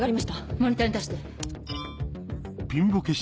モニターに出して。